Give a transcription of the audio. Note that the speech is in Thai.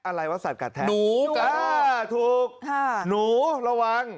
หนูกระลอก